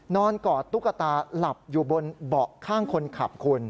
กอดตุ๊กตาหลับอยู่บนเบาะข้างคนขับคุณ